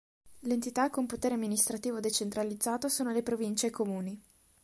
Le entità con potere amministrativo decentralizzato sono solo le province e i comuni.